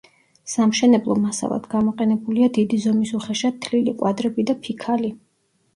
სამშენებლო მასალად გამოყენებულია დიდი ზომის უხეშად თლილი კვადრები და ფიქალი.